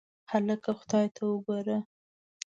هکله خدای ته وګوره.